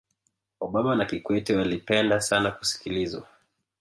obama na kikwete walipenda sana kusikilizwa